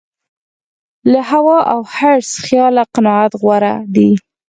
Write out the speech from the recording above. له هوا او حرص خیاله قناعت غوره دی.